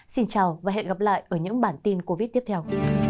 xin chào và hẹn gặp lại ở những bản tin covid tiếp theo